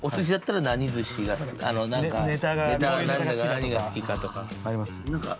ネタが何が好きかとか。